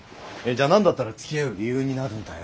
じゃあ何だったらつきあう理由になるんだよ。